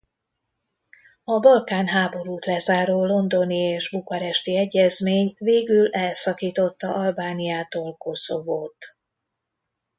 A Balkán-háborút lezáró londoni és bukaresti egyezmény végül elszakította Albániától Koszovót.